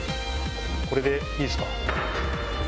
これでいいですか？